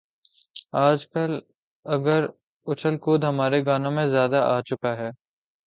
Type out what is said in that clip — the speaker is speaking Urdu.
آج کل اگر اچھل کود ہمارے گانوں میں زیادہ آ چکا ہے۔